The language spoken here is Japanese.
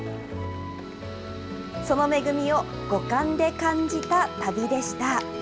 その恵みを五感で感じた旅でした。